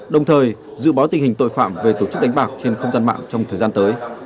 đồng thời dự báo tình hình tội phạm về tổ chức đánh bạc trên không gian mạng trong thời gian tới